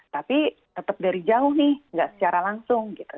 tapi tetap dari jauh nih nggak secara langsung gitu